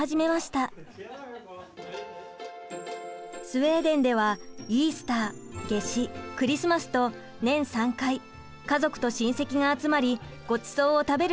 スウェーデンではイースター夏至クリスマスと年３回家族と親戚が集まりごちそうを食べる習慣があります。